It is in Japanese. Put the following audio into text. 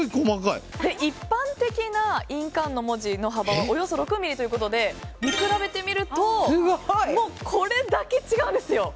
一般的な印鑑の文字の幅はおよそ６ｍｍということで見比べてみるとこれだけ違うんですよ。